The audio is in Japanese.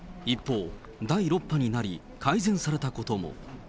一方、第６波になり、改善されたことも。